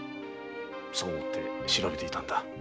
そう思って調べていたのだ。